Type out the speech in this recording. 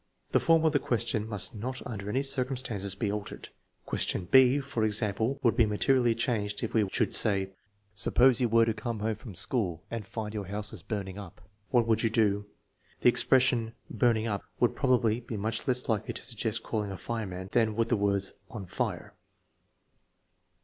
The form of the question must jp*>t 4111 der any circumstances be altered. Question 6, for example, would be materially changecTi! we should say: " Suppose you were to come home from 182 THE MEASUREMENT OF INTELLIGENCE school and find that your house was burning up. What would you do ?" The expression " burning up " would probably be much less likely to suggest calling a fireman than would the words " on fire."